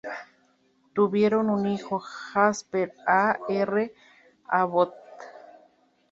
Tuvieron un hijo, Jasper A. R. Abbott.